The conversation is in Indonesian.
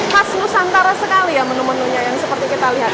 khas nusantara sekali ya menu menunya yang seperti kita lihat